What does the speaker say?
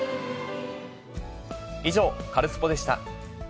以上、カルスポっ！でした。